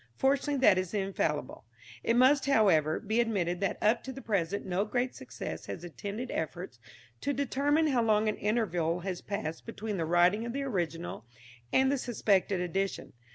Fortunately that is infallible. It must, however, be admitted that up to the present no great success has attended efforts to determine how long an interval has passed between the writing of the original and the suspected addition.